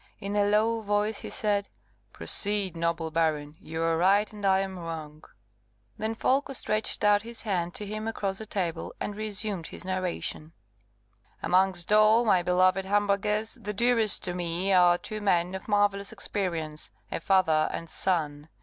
In a low voice he said, "Proceed, noble baron. You are right, and I am wrong." Then Folko stretched out his hand to him across the table, and resumed his narration: "Amongst all my beloved Hamburghers the dearest to me are two men of marvellous experience a father and son.